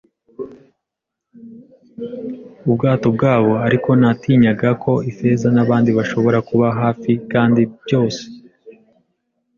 ubwato bwabo, ariko natinyaga ko Ifeza nabandi bashobora kuba hafi, kandi byose